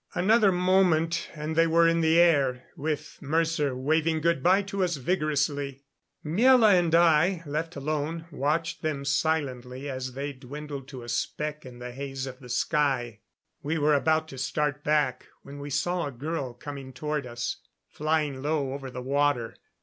Another moment and they were in the air, with Mercer waving good by to us vigorously. Miela and I, left alone, watched them silently as they dwindled to a speck in the haze of the sky. We were about to start back when we saw a girl coming toward us, flying low over the water.